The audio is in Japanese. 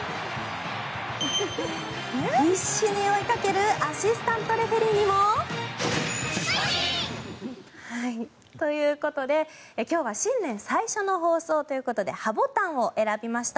必死に追いかけるアシスタントレフェリーにも。ということで、今日は新年最初の放送ということでハボタンを選びました。